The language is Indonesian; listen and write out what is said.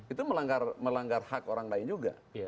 itu melanggar hak orang lain juga